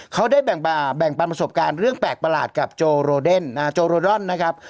เค้าได้แบ่งประสบการณ์เรื่องแปลกประหลาดกับโจโรเด้นนะครับ